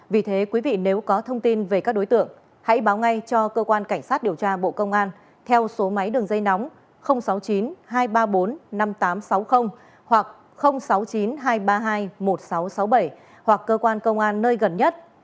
vì thế quý vị nếu có thông tin về các đối tượng hãy báo ngay cho cơ quan cảnh sát điều tra bộ công an theo số máy đường dây nóng sáu mươi chín hai trăm ba mươi bốn năm nghìn tám trăm sáu mươi hoặc sáu mươi chín hai trăm ba mươi hai một nghìn sáu trăm sáu mươi bảy hoặc cơ quan công an nơi gần nhất